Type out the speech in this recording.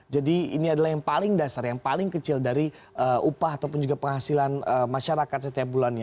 jadi ini adalah yang paling dasar yang paling kecil dari upah ataupun juga penghasilan masyarakat setiap bulannya